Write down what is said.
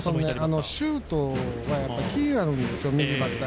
シュートが気になるんですよ